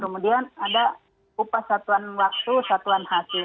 kemudian ada upah satuan waktu satuan hasil